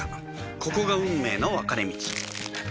ここが運命の分かれ道